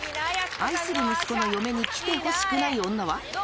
愛する息子の嫁に来てほしくない女は？